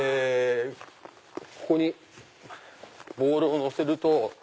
ここにボールを乗せると。